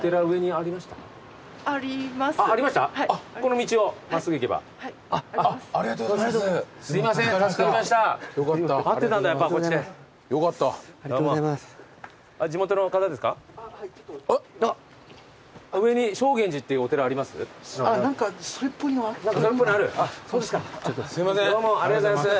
ありがとうございます。